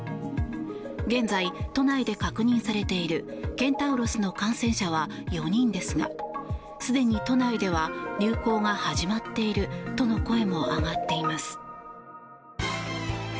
現在、都内で確認されているケンタウロスの感染者は４人ですがすでに都内では流行が始まっているとの声も上がっています。